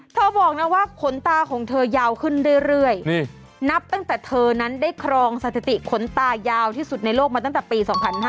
บอกนะว่าขนตาของเธอยาวขึ้นเรื่อยนับตั้งแต่เธอนั้นได้ครองสถิติขนตายาวที่สุดในโลกมาตั้งแต่ปี๒๕๕๙